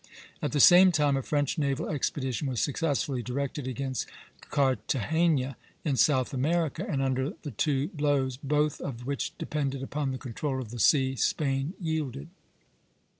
At the same time a French naval expedition was successfully directed against Cartagena in South America, and under the two blows, both of which depended upon the control of the sea, Spain yielded.